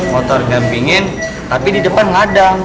motor gampingin tapi di depan ngadang